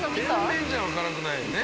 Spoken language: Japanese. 甜麺醤は辛くないよね？